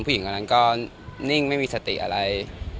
ผู้หญิงคนนั้นก็นิ่งไม่มีสติอะไร